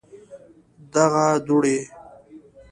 دغه دوړي